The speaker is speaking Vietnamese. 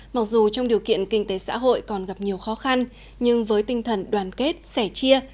mặc dù trong điều kiện kinh tế xã hội còn gặp nhiều khó khăn nhưng với tinh thần đoàn kết sẻ chia